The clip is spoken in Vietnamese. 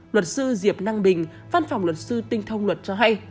luật sư diệp năng bình văn phòng luật sư tinh thông luật cho hay